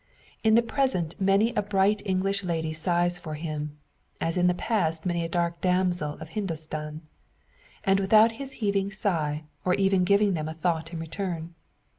In the present many a bright English lady sighs for him, as in the past many a dark damsel of Hindostan. And without his heaving sigh, or even giving them a thought in return.